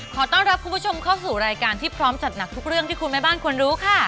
ขอต้อนรับคุณผู้ชมเข้าสู่รายการที่พร้อมจัดหนักทุกเรื่องที่คุณแม่บ้านควรรู้ค่ะ